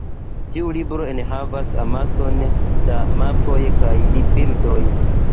Tiu libro enhavas amason da mapoj kaj bildoj.